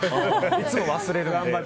いつも忘れるので。